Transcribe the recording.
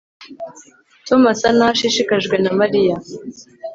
Tom asa naho ashishikajwe na Mariya